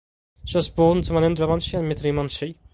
She was born to Manindra Munshi and Mitali Munshi.